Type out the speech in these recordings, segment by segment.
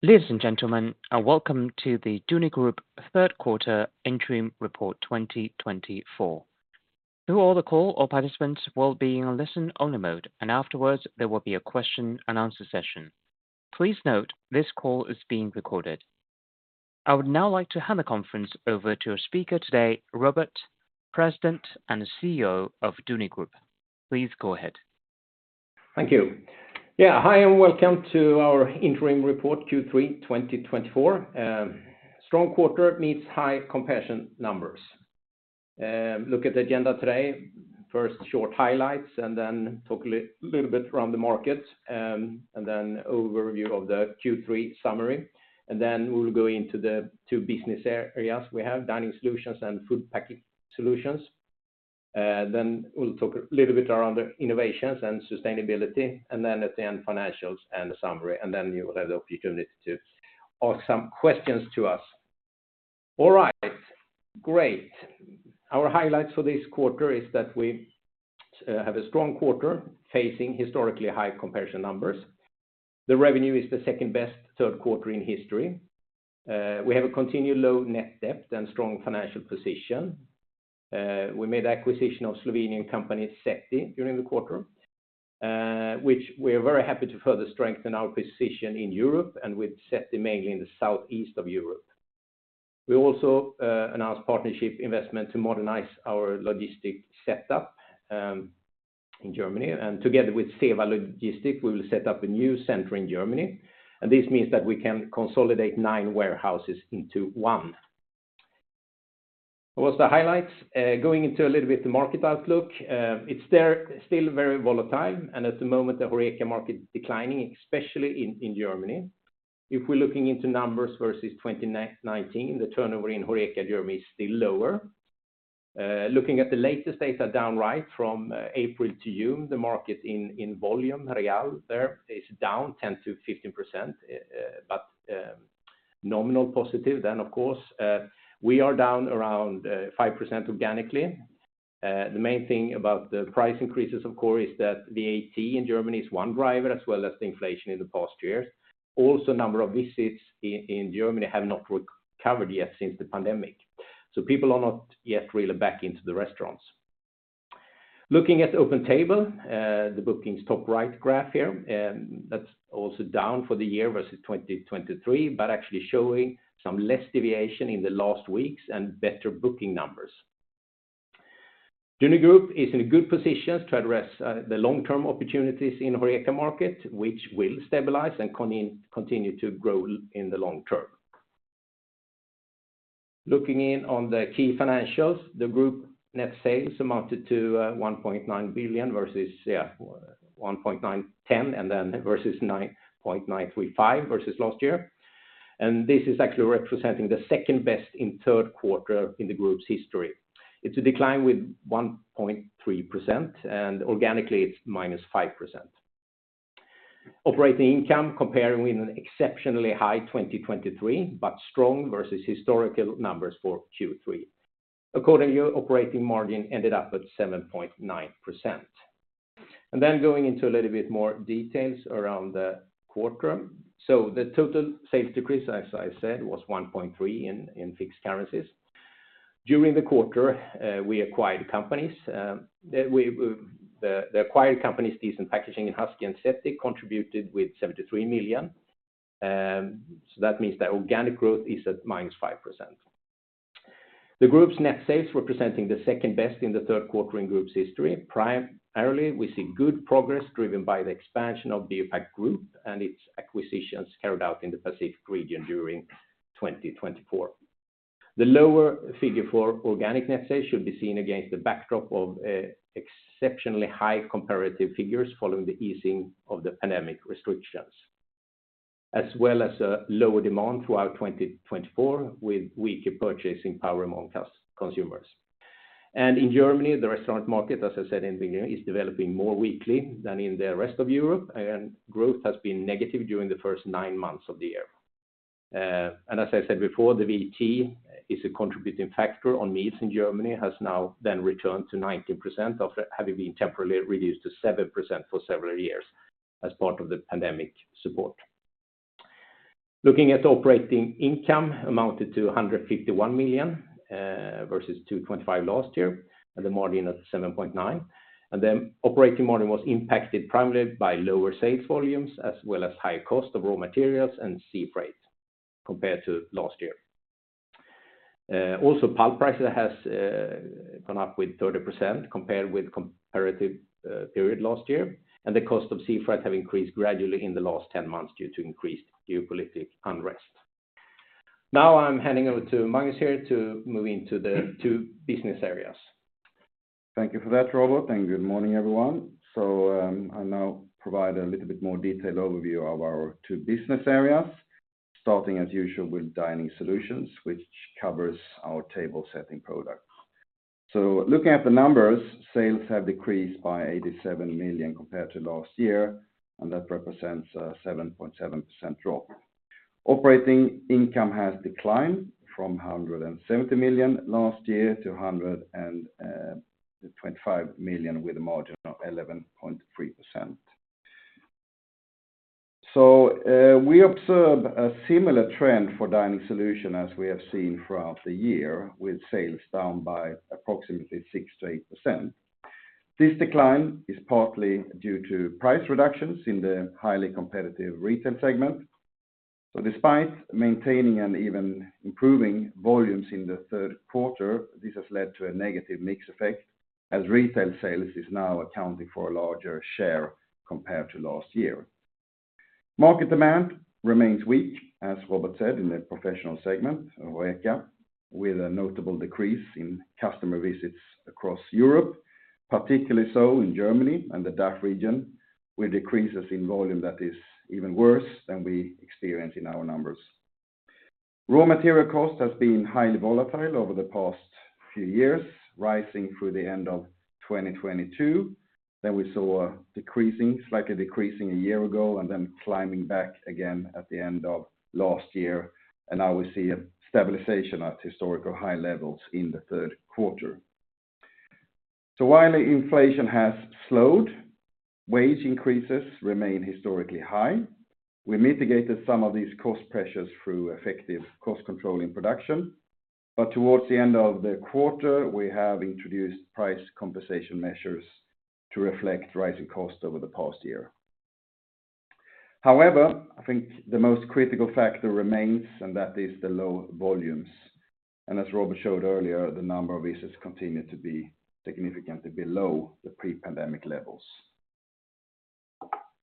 Ladies and gentlemen, welcome to the Duni Group Third Quarter Interim Report 2024. Throughout the call, all participants will be in listen-only mode, and afterwards, there will be a question and answer session. Please note, this call is being recorded. I would now like to hand the conference over to our speaker today, Robert, President and CEO of Duni Group. Please go ahead. Thank you. Yeah, hi, and welcome to our interim report, Q3 twenty twenty-four. Strong quarter meets high comparison numbers. Look at the agenda today. First, short highlights, and then talk a little bit around the markets, and then overview of the Q3 summary. And then we'll go into the two business areas we have, dining solutions and food packaging solutions. Then we'll talk a little bit around the innovations and sustainability, and then at the end, financials and the summary, and then you will have the opportunity to ask some questions to us. All right, great! Our highlights for this quarter is that we have a strong quarter, facing historically high comparison numbers. The revenue is the second best third quarter in history. We have a continued low net debt and strong financial position. We made acquisition of Slovenian company, SETI, during the quarter, which we are very happy to further strengthen our position in Europe, and with SETI, mainly in the southeast of Europe. We also announced partnership investment to modernize our logistics setup in Germany, and together with CEVA Logistics, we will set up a new center in Germany, and this means that we can consolidate nine warehouses into one. What are the highlights? Going into a little bit the market outlook, it's there, still very volatile, and at the moment, the HoReCa market is declining, especially in Germany. If we're looking into numbers versus 2019, the turnover in HoReCa, Germany is still lower. Looking at the latest data down right from April to June, the market in volume in real terms is down 10-15%, but nominally positive. Then, of course, we are down around 5% organically. The main thing about the price increases, of course, is that the VAT in Germany is one driver, as well as the inflation in the past years. Also, number of visits in Germany have not recovered yet since the pandemic, so people are not yet really back into the restaurants. Looking at OpenTable, the bookings top right graph here, that's also down for the year versus 2023, but actually showing some less deviation in the last weeks and better booking numbers. Duni Group is in a good position to address the long-term opportunities in HoReCa market, which will stabilize and continue to grow in the long term. Looking in on the key financials, the group net sales amounted to 1.9 billion versus 1.910 billion, and then versus 9.935 versus last year. This is actually representing the second best in third quarter in the group's history. It is a decline with 1.3%, and organically, it is minus 5%. Operating income, comparing with an exceptionally high 2023, but strong versus historical numbers for Q3. According to you, operating margin ended up at 7.9%. Then going into a little bit more details around the quarter. The total sales decrease, as I said, was 1.3 in fixed currencies. During the quarter, we acquired companies. The acquired companies, Decent Packaging and Huskee and SETI, contributed with 73 million. So that means that organic growth is at -5%. The Group's net sales representing the second best in the third quarter in Group's history. Primarily, we see good progress driven by the expansion of the Impact Group and its acquisitions carried out in the Pacific region during 2024. The lower figure for organic net sales should be seen against the backdrop of an exceptionally high comparative figures following the easing of the pandemic restrictions, as well as a lower demand throughout 2024, with weaker purchasing power among consumers. And in Germany, the restaurant market, as I said in the beginning, is developing more weakly than in the rest of Europe, and growth has been negative during the first nine months of the year. And as I said before, the VAT is a contributing factor on meals in Germany, has now then returned to 19%, after having been temporarily reduced to 7% for several years as part of the pandemic support. Looking at operating income amounted to 151 million, versus 225 last year, and the margin at 7.9%. And then operating margin was impacted primarily by lower sales volumes, as well as high cost of raw materials and sea freight compared to last year. Also, pulp prices has gone up with 30%, compared with comparative period last year, and the cost of sea freight have increased gradually in the last 10 months due to increased geopolitical unrest. Now, I'm handing over to Magnus here to move into the two business areas. Thank you for that, Robert, and good morning, everyone. I'll now provide a little bit more detailed overview of our two business areas, starting as usual with dining solutions, which covers our table setting products. Looking at the numbers, sales have decreased by 87 million compared to last year, and that represents a 7.7% drop. Operating income has declined from 170 million last year to 125 million with a margin of 11.3%. We observe a similar trend for dining solutions as we have seen throughout the year, with sales down by approximately 6%-8%. This decline is partly due to price reductions in the highly competitive retail segment. Despite maintaining and even improving volumes in the third quarter, this has led to a negative mix effect, as retail sales is now accounting for a larger share compared to last year. Market demand remains weak, as Robert said, in the professional segment of HoReCa, with a notable decrease in customer visits across Europe, particularly so in Germany and the DACH region, with decreases in volume that is even worse than we experience in our numbers. Raw material cost has been highly volatile over the past few years, rising through the end of twenty twenty-two. Then we saw slightly decreasing a year ago, and then climbing back again at the end of last year, and now we see a stabilization at historical high levels in the third quarter. So while inflation has slowed, wage increases remain historically high. We mitigated some of these cost pressures through effective cost control in production, but towards the end of the quarter, we have introduced price compensation measures to reflect rising costs over the past year. However, I think the most critical factor remains, and that is the low volumes. And as Robert showed earlier, the number of visits continue to be significantly below the pre-pandemic levels.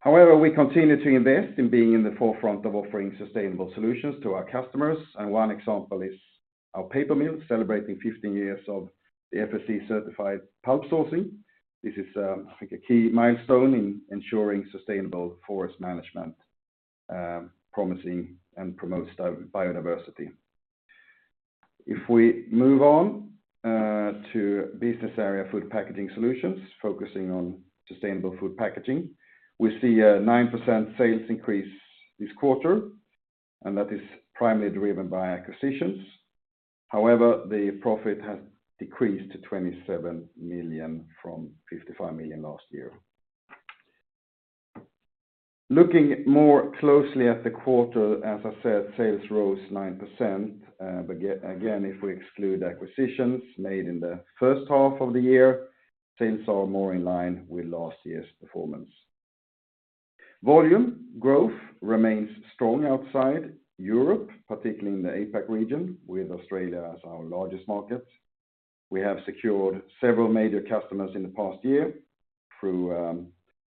However, we continue to invest in being in the forefront of offering sustainable solutions to our customers, and one example is our paper mill, celebrating fifteen years of the FSC-certified pulp sourcing. This is, I think, a key milestone in ensuring sustainable forest management, promising and promotes diversity, biodiversity. If we move on, to business area, food packaging solutions, focusing on sustainable food packaging, we see a 9% sales increase this quarter, and that is primarily driven by acquisitions. However, the profit has decreased to 27 million from 55 million last year. Looking more closely at the quarter, as I said, sales rose 9%, but again, if we exclude acquisitions made in the first half of the year, sales are more in line with last year's performance. Volume growth remains strong outside Europe, particularly in the APAC region, with Australia as our largest market. We have secured several major customers in the past year through,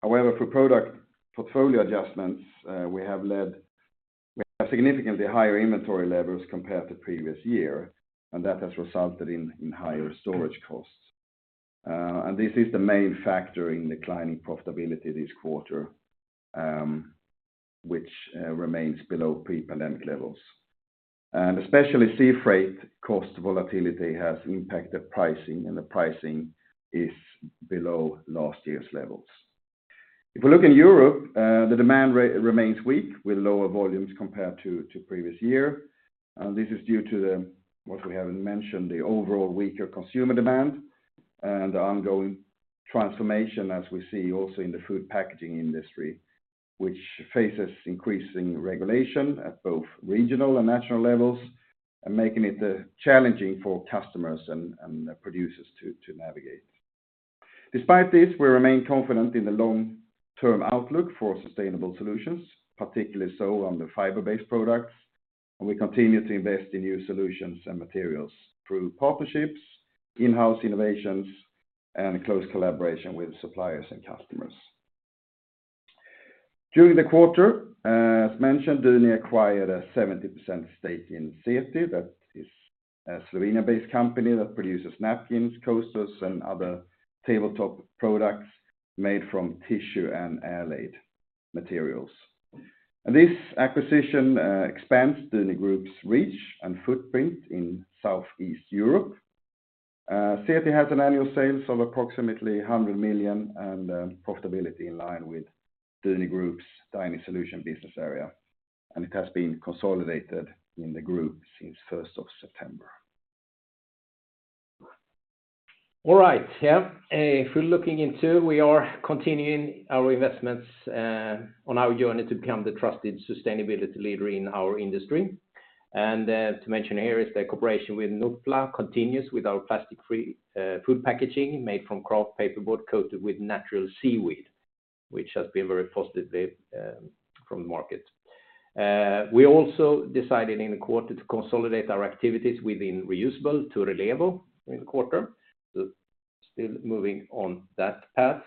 however, through product portfolio adjustments, we have led to significantly higher inventory levels compared to previous year, and that has resulted in higher storage costs. And this is the main factor in declining profitability this quarter, which remains below pre-pandemic levels. And especially, sea freight cost volatility has impacted pricing, and the pricing is below last year's levels. If we look in Europe, the demand remains weak, with lower volumes compared to previous year. This is due to what we have mentioned, the overall weaker consumer demand and the ongoing transformation as we see also in the food packaging industry, which faces increasing regulation at both regional and national levels, and making it challenging for customers and producers to navigate. Despite this, we remain confident in the long-term outlook for sustainable solutions, particularly so on the fiber-based products, and we continue to invest in new solutions and materials through partnerships, in-house innovations, and close collaboration with suppliers and customers. During the quarter, as mentioned, Duni acquired a 70% stake in SETI. That is a Slovenia-based company that produces napkins, coasters, and other tabletop products made from tissue and airlaid materials. This acquisition expands Duni Group's reach and footprint in Southeast Europe. SETI has an annual sales of approximately 100 million, and profitability in line with Duni Group's dining solution business area, and it has been consolidated in the group since first of September. All right. Yeah, if we're looking into, we are continuing our investments on our journey to become the trusted sustainability leader in our industry, and to mention here is the cooperation with Notpla continues with our plastic-free food packaging made from kraft paperboard, coated with natural seaweed, which has been very positive from the market. We also decided in the quarter to consolidate our activities within reusable to Relevo in the quarter, so still moving on that path.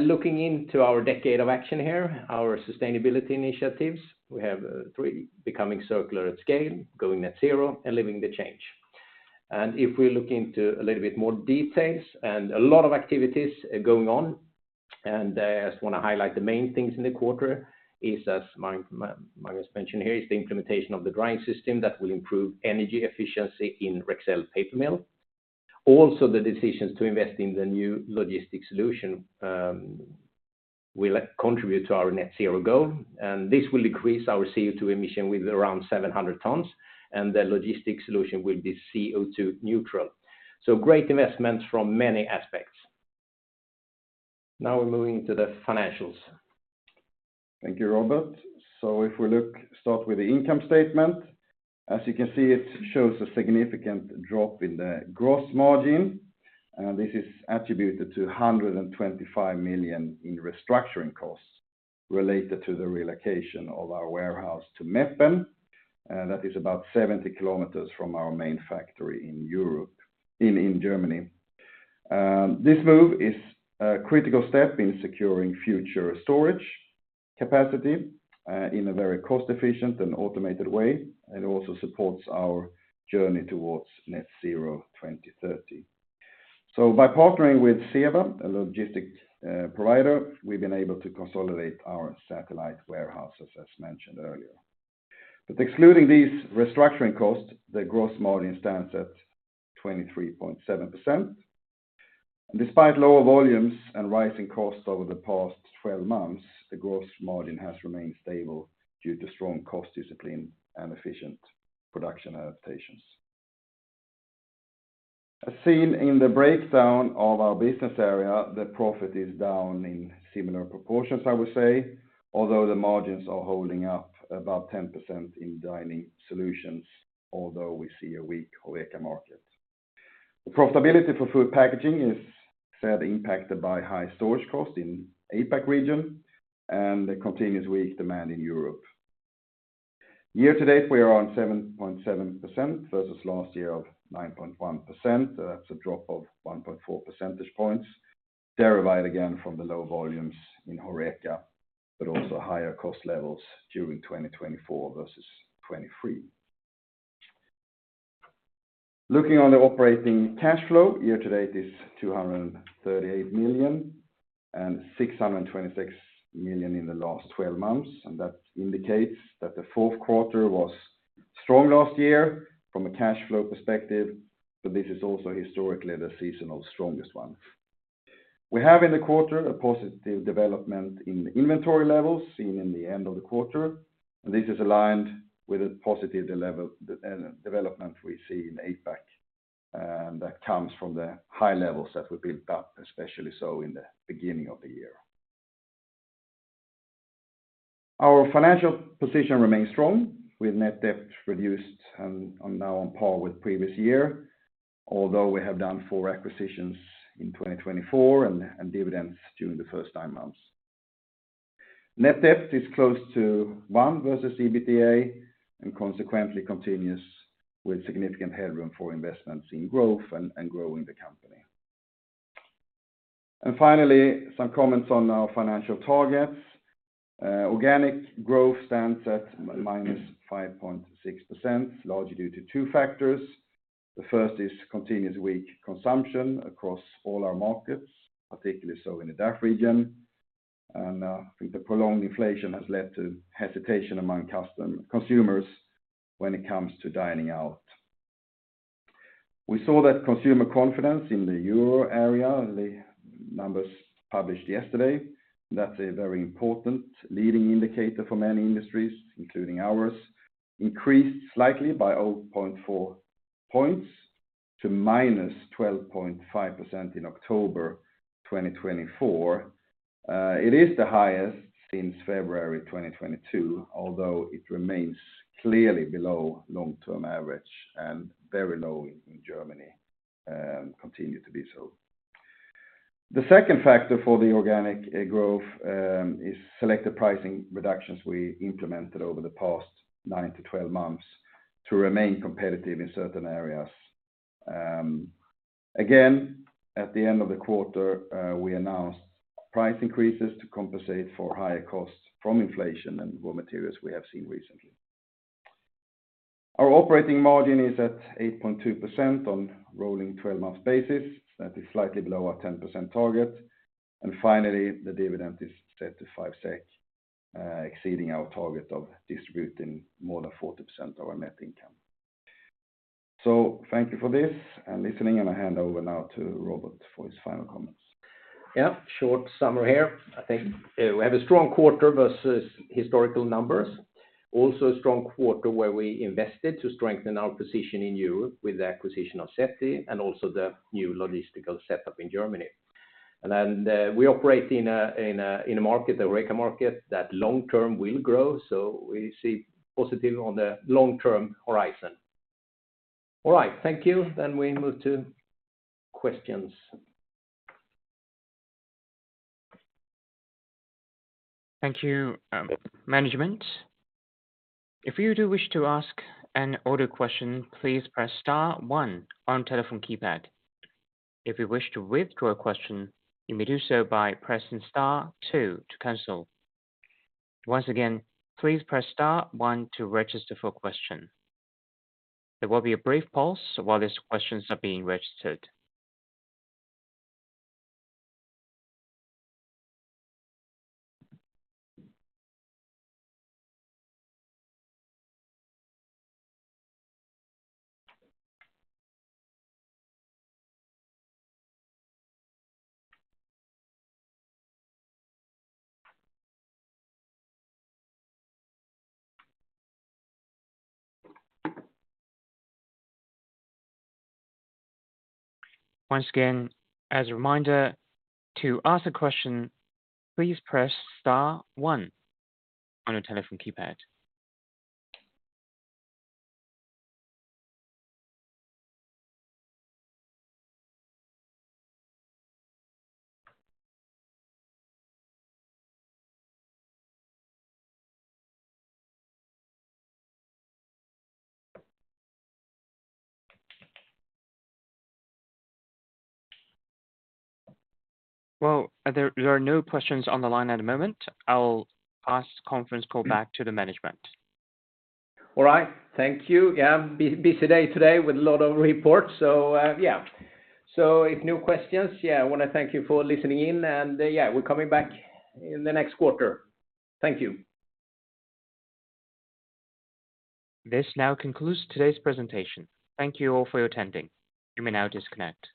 Looking into our decade of action here, our sustainability initiatives, we have three: becoming circular at scale, going net zero, and living the change. If we look into a little bit more details, and a lot of activities are going on, and I just wanna highlight the main things in the quarter is, as Magnus mentioned here, is the implementation of the drying system that will improve energy efficiency in Rexcell paper mill. Also, the decisions to invest in the new logistic solution will contribute to our net zero goal, and this will decrease our CO2 emission with around 700 tons, and the logistic solution will be CO2 neutral. So great investments from many aspects. Now we're moving to the financials. Thank you, Robert. So if we look, start with the income statement. As you can see, it shows a significant drop in the gross margin, and this is attributed to 125 million in restructuring costs related to the relocation of our warehouse to Meppen, and that is about 70 kilometers from our main factory in Europe, in Germany. This move is a critical step in securing future storage capacity, in a very cost-efficient and automated way, and also supports our journey towards Net Zero 2030. So by partnering with CEVA, a logistics provider, we've been able to consolidate our satellite warehouses, as mentioned earlier. But excluding these restructuring costs, the gross margin stands at 23.7%. Despite lower volumes and rising costs over the past twelve months, the gross margin has remained stable due to strong cost discipline and efficient production adaptations. As seen in the breakdown of our business area, the profit is down in similar proportions, I would say, although the margins are holding up about 10% in Dining solutions, although we see a weak HoReCa market. The profitability for Food packaging solutions is fairly impacted by high storage costs in APAC region and the continuous weak demand in Europe. Year to date, we are on 7.7% versus last year of 9.1%. That's a drop of 1.4 percentage points, derived again from the low volumes in HoReCa, but also higher cost levels during 2024 versus 2023. Looking on the operating cash flow, year to date is 238 million and 626 million in the last twelve months, and that indicates that the fourth quarter was strong last year from a cash flow perspective, but this is also historically the seasonal strongest one. We have in the quarter, a positive development in the inventory levels seen in the end of the quarter, and this is aligned with a positive level, development we see in APAC, and that comes from the high levels that were built up, especially so in the beginning of the year. Our financial position remains strong, with net debt reduced and, and now on par with previous year, although we have done four acquisitions in 2024 and, and dividends during the first nine months. Net debt is close to one versus EBITDA and consequently continues with significant headroom for investments in growth and growing the company. Finally, some comments on our financial targets. Organic growth stands at minus 5.6%, largely due to two factors. The first is continuous weak consumption across all our markets, particularly so in the DACH region. I think the prolonged inflation has led to hesitation among consumers when it comes to dining out. We saw that consumer confidence in the euro area, the numbers published yesterday, that's a very important leading indicator for many industries, including ours, increased slightly by 0.4 points to minus 12.5% in October 2024. It is the highest since February 2022, although it remains clearly below long-term average and very low in Germany, continue to be so. The second factor for the organic growth is selective pricing reductions we implemented over the past nine to 12 months to remain competitive in certain areas. Again, at the end of the quarter, we announced price increases to compensate for higher costs from inflation and raw materials we have seen recently. Our operating margin is at 8.2% on rolling 12 months basis. That is slightly below our 10% target. And finally, the dividend is set to five SEK, exceeding our target of distributing more than 40% of our net income. So thank you for this and listening, and I hand over now to Robert for his final comments. Yeah, short summary here. I think, we have a strong quarter versus historical numbers. Also a strong quarter where we invested to strengthen our position in Europe with the acquisition of Seti and also the new logistical setup in Germany. And then, we operate in a market, the HoReCa market, that long-term will grow, so we see positive on the long-term horizon. All right, thank you. Then we move to questions. Thank you, management. If you do wish to ask an audio question, please press star one on telephone keypad. If you wish to withdraw a question, you may do so by pressing star two to cancel. Once again, please press star one to register for a question. There will be a brief pause while these questions are being registered. Once again, as a reminder, to ask a question, please press star one on your telephone keypad. There are no questions on the line at the moment. I'll pass the conference call back to the management. All right. Thank you. Yeah, busy day today with a lot of reports, so, yeah. So if no questions, yeah, I want to thank you for listening in and, yeah, we're coming back in the next quarter. Thank you. This now concludes today's presentation. Thank you all for your attending. You may now disconnect.